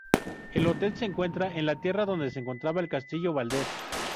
El hotel se encuentra en la tierra donde se encontraba el Castillo Valdes.